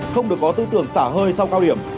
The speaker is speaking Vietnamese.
không được có tư tưởng xả hơi sau cao điểm